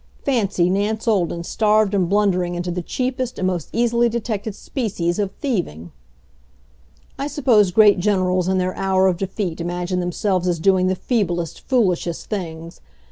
Fancy Nance Olden starved and blundering into the cheapest and most easily detected species of thieving! I suppose great generals in their hour of defeat imagine themselves doing the feeblest, foolishest things.